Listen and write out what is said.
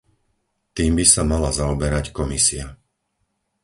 Tým by sa mala zaoberať Komisia.